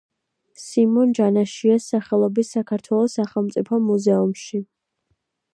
სიმონ ჯანაშიას სახელობის საქართველოს სახელმწიფო მუზეუმში.